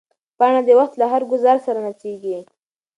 پاڼه د وخت له هر ګوزار سره نڅېږي.